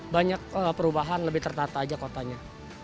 banyak perubahan lebih tertata aja kotanya